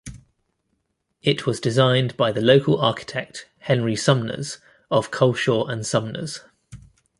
It was designed by the local architect Henry Sumners of Culshaw and Sumners.